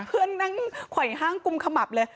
เพื่อนนั่งไขว่ห้างกุมขมับเลย